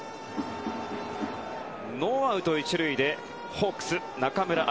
ノーアウト１塁でホークス、中村晃。